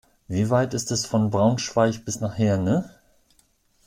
Wie weit ist es von Braunschweig bis nach Herne?